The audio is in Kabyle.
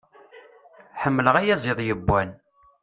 Ḥemmleɣ ayaziḍ yewwan.